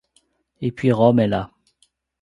Et puis Rome est là.